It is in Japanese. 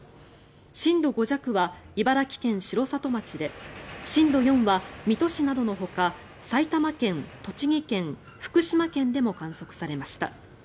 震度５弱は茨城県城里町で震度４は水戸市などのほか埼玉県、栃木県、福島県でも観測されました。